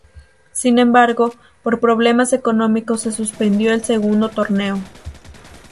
Sin embargo por problemas económicos se suspendió el segundo torneo.